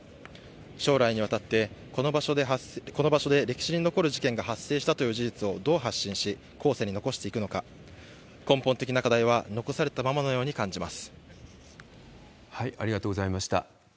将来にわたってこの場所で歴史に残る事件が発生したという事実をどう発信し、後世に残していくのか、根本的な課題は残されたままありがとうございました。